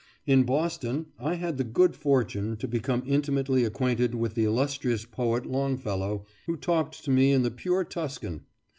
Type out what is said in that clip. In Boston I had the good fortune to become intimately acquainted with the illustrious poet, Longfellow, who talked to me in the pure Tuscan.